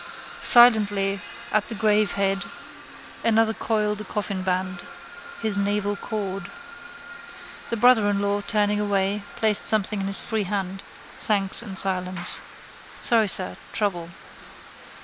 Silently at the gravehead another coiled the coffinband. His navelcord. The brother in law, turning away, placed something in his free hand. Thanks in silence. Sorry, sir: trouble.